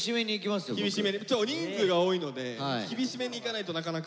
人数が多いので厳しめにいかないとなかなか。